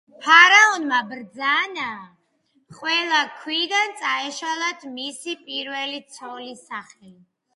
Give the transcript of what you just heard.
ფარაონმა ბრძანა ყველა ქვიდან წაეშალათ მისი პირველი ცოლის სახელი.